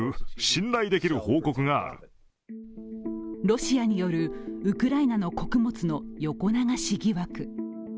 ロシアによるウクライナの穀物の横流し疑惑。